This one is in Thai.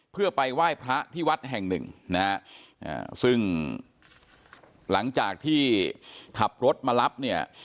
เพื่อไปไหว้พระที่วัดแห่งหนึ่งนะฮะซึ่งหลังจากที่ขับรถมารับเนี่ย